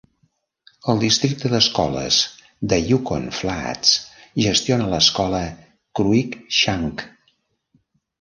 El districte d'escoles de Yukon Flats gestiona l'Escola Cruikshank.